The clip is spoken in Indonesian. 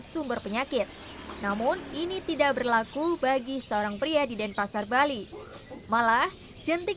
sumber penyakit namun ini tidak berlaku bagi seorang pria di denpasar bali malah jentik